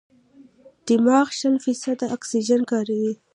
دماغ شل فیصده اکسیجن کاروي.